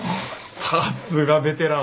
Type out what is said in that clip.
さすがベテラン。